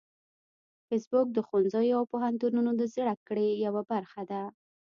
فېسبوک د ښوونځیو او پوهنتونونو د زده کړې یوه برخه ده